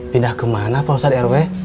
pindah kemana posen rw